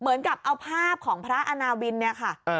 เหมือนกับเอาภาพของพระอาณาวินเนี่ยค่ะ